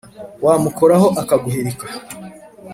Wamukoraho akaguhirika